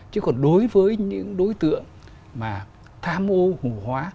chứ còn đối với những đối tượng mà tham ô hù hóa